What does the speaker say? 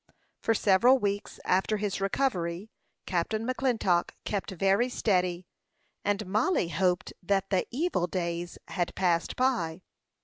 For several weeks after his recovery, Captain McClintock kept very steady, and Mollie hoped that the "evil days" had passed by.